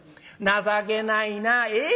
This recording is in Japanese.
「情けないなええ